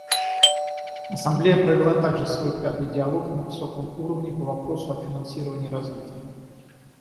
Ассамблея провела также свой пятый диалог на высоком уровне по вопросу о финансировании развития.